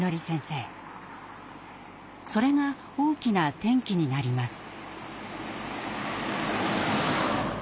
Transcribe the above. それが大きな転機になります。